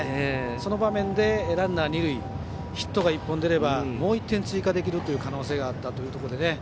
その場面でランナー、二塁ヒットが１本出ればもう１点追加できる可能性があったところ